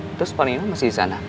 terus panino masih di sana